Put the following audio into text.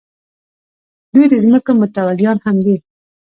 دوی د ځمکو متولیان هم دي.